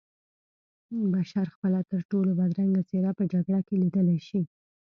بشر خپله ترټولو بدرنګه څېره په جګړه کې لیدلی شي